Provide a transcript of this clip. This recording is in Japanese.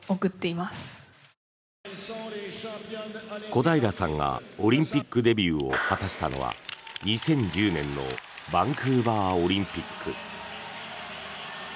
小平さんがオリンピックデビューを果たしたのは２０１０年のバンクーバーオリンピック。